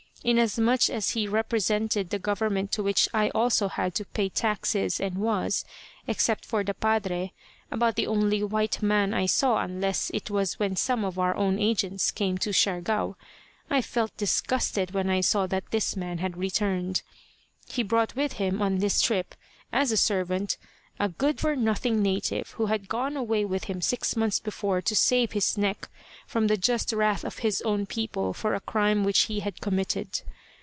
Inasmuch as he represented the government to which I also had to pay taxes and was, except for the Padre, about the only white man I saw unless it was when some of our own agents came to Siargao, I felt disgusted when I saw that this man had returned. He brought with him, on this trip, as a servant, a good for nothing native who had gone away with him six months before to save his neck from the just wrath of his own people for a crime which he had committed.